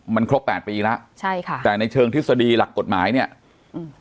มันครบแปดปีแล้วใช่ค่ะแต่ในเชิงทฤษฎีหลักกฎหมายเนี้ยอืม